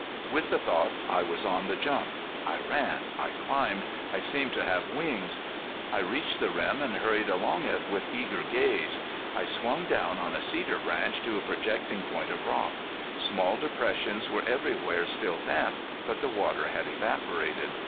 With the thought I was on the jump. I ran; I climbed; I seemed to have wings; I reached the rim, and hurried along it with eager gaze. I swung down on a cedar branch to a projecting point of rock. Small depressions were everywhere still damp, but the water had evaporated.